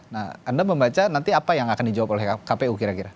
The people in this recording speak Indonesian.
nah anda membaca nanti apa yang akan dijawab oleh kpu kira kira